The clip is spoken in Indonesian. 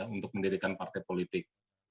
untuk mendirikan partai politik